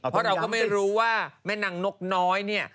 เพราะเราก็ไม่รู้ว่าแม่นางนกน้อยเนี่ย